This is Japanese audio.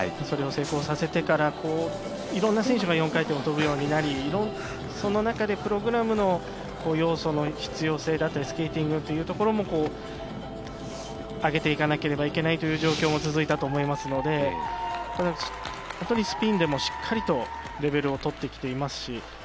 それを成功させてから、いろんな選手が４回転を跳ぶようになり、その中でプログラムの要素の必要性だったり、スケーティングというところも上げていかなければいけないという状況も続いたと思いますので、スピンでもしっかりとレベルを取ってきていますし。